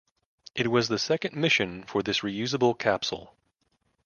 It was the second mission for this reusable capsule.